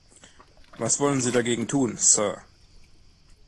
Was wollen Sie dagegen tun, Sir?